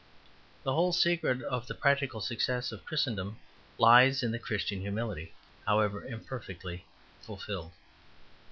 The whole secret of the practical success of Christendom lies in the Christian humility, however imperfectly fulfilled.